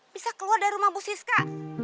bisa keluar dari rumah bu siska